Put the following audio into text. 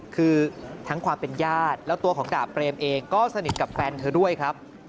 คือทั้งความเป็นญาติแล้วตัวของดาบเปรมเองก็สนิทกับแฟนเธอด้วยครับ